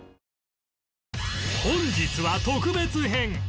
本日は特別編